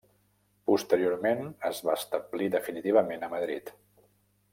Posteriorment es va establir definitivament a Madrid.